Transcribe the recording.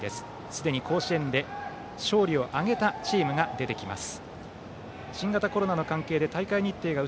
すでに甲子園で勝利を挙げたチームが出てきます。